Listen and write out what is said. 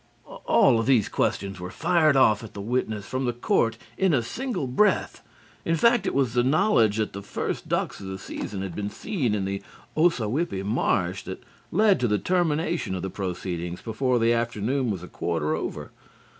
All of these questions were fired off at the witness from the court in a single breath. In fact, it was the knowledge that the first ducks of the season had been seen in the Ossawippi marsh that led to the termination of the proceedings before the afternoon was a quarter over.